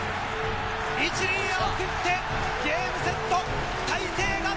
１塁へ送って、ゲームセット。